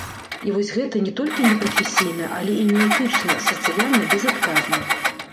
І вось гэта не толькі не прафесійна, але і не этычна, сацыяльна безадказна.